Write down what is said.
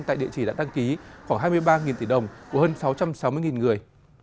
tại địa chỉ đã đăng ký khoảng hai mươi ba tỷ đồng của hơn sáu trăm sáu mươi người